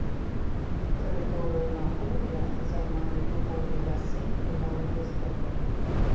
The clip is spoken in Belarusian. Тэрыторыю нагор'я займаюць дубовыя лясы і горныя стэпы.